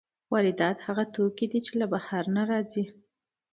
واردات هغه توکي دي چې له بهر نه راځي.